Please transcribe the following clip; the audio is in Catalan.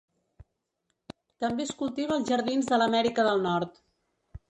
També es cultiva als jardins de l'Amèrica del Nord.